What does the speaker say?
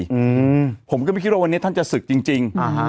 อืมผมก็ไม่คิดว่าวันนี้ท่านจะศึกจริงจริงอ่าฮะ